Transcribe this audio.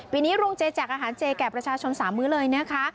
ปีนี้โรงเจแจกอาหารเจแก่ประชาชน๓มื้อเลยนะคะ